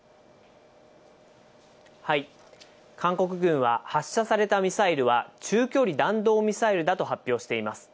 韓国軍は、発射されたミサイルは、中距離弾道ミサイルだと発表しています。